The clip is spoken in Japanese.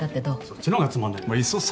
そっちの方がつまんないだろ。